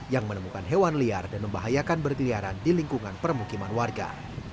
yang menemukan hewan liar dan membahayakan berkeliaran di lingkungan permukiman warga